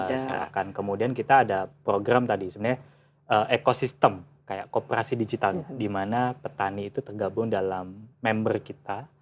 itu jelas itu kita serahkan kemudian kita ada program tadi sebenarnya ekosistem kayak kooperasi digital di mana petani itu tergabung dalam member kita